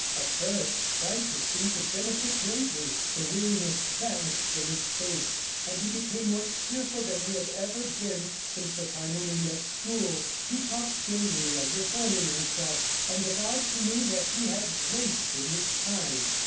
At first Francis seemed to benefit greatly; the weariness vanished from his face, and he became more cheerful than he had ever been since the time when he left school; he talked gaily of reforming himself, and avowed to me that he had wasted his time.